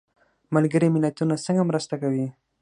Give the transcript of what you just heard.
ملګري ملتونه څنګه مرسته کوي؟